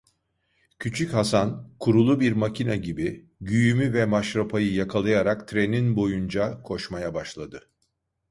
Küçük Haşan, kurulu bir makine gibi, güğümü ve maşrapayı yakalayarak trenin boyunca koşmaya başladı.